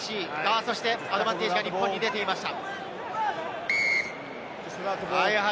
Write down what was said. アドバンテージが日本に出ていました。